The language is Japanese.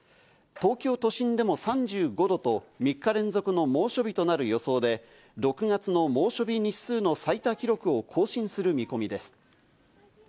東京都心でも３５度と、３日連続の猛暑日となる予想で、６月の猛暑日日数の最多記録を更新する見込みです。